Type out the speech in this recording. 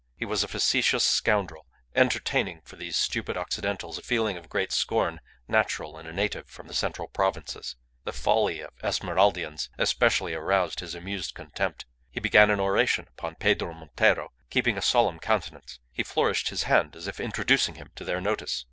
He was a facetious scoundrel, entertaining for these stupid Occidentals a feeling of great scorn natural in a native from the central provinces. The folly of Esmeraldians especially aroused his amused contempt. He began an oration upon Pedro Montero, keeping a solemn countenance. He flourished his hand as if introducing him to their notice.